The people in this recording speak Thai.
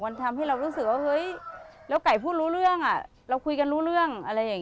มันทำให้เรารู้สึกว่าเฮ้ยไก่พูดรู้เรื่องเราคุยกันรู้เรื่อง